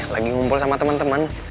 lagi ngumpul sama temen temen